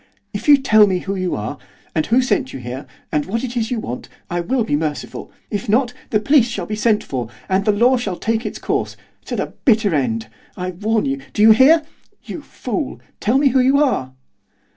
If you tell me who you are, and who sent you here, and what it is you want, I will be merciful; if not, the police shall be sent for, and the law shall take its course, to the bitter end! I warn you. Do you hear? You fool! tell me who you are?